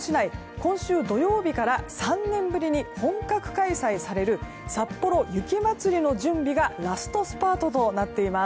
今週土曜日から３年ぶりに本格開催されるさっぽろ雪まつりの準備がラストスパートとなっています。